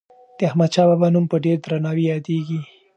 د احمدشاه بابا نوم په ډېر درناوي یادیږي.